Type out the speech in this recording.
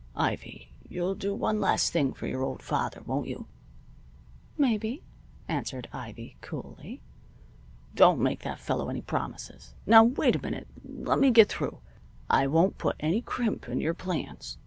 "Ivy, you'll do one last thing for your old father, won't you?" "Maybe," answered Ivy, coolly. "Don't make that fellow any promises. Now wait a minute! Let me get through. I won't put any crimp in your plans.